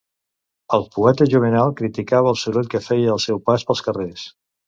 El poeta Juvenal criticava el soroll que feia el seu pas pels carrers.